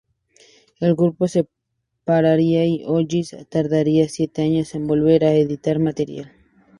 El grupo se separaría y Hollis tardaría siete años en volver a editar material.